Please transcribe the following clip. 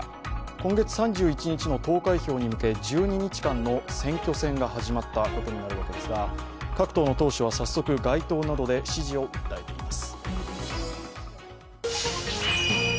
今月３１日の投開票に向け１２日間の選挙戦が始まったことになるわけですが各党の党首は早速、街頭などで支持を訴えています。